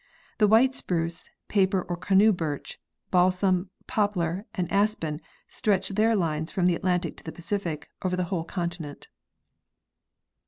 The white spruce, paper or canoe birch, balsam, poplar and aspen stretch their lines from the Atlantic to the Pacific over the whole continent.